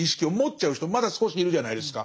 まだ少しいるじゃないですか。